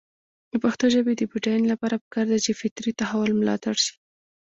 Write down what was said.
د پښتو ژبې د بډاینې لپاره پکار ده چې فطري تحول ملاتړ شي.